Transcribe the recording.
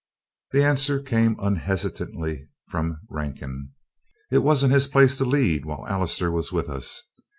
The answer came unhesitatingly from Rankin: "It wasn't his place to lead while Allister was with us.